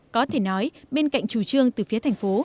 có thể nói bên cạnh chủ trương từ phía thành phố